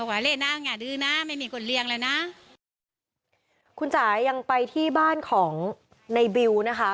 คุณจะยังไปที่บ้านของในบิวนะคะ